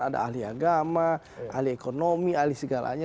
ada ahli agama ahli ekonomi ahli segalanya